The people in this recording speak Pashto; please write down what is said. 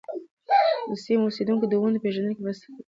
د سیمو اوسېدونکي د ونو په پېژندنه کې مرسته کوي.